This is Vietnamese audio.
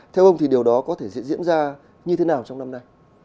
theo ông thì điều đó có thể sẽ diễn ra như thế nào trong năm nay